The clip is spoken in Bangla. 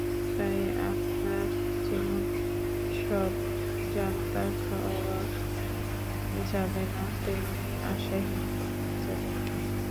তাই আপনার যেমন সবজান্তা হওয়া যাবে না, তেমনি আশাহীনও হওয়া যাবে না।